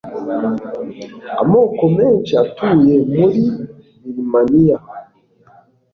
amoko menshi atuye muri birimaniya